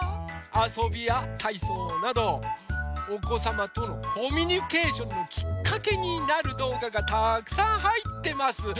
あそびやたいそうなどおこさまとのコミュニケーションのきっかけになるどうががたくさんはいってます。